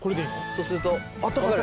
そうすると分かる？